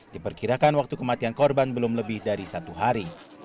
diperkirakan waktu kematian korban belum lebih dari satu hari